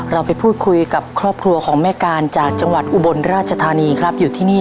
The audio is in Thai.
เราไปพูดคุยกับครอบครัวของแม่การจากจังหวัดอุบลราชธานีครับอยู่ที่นี่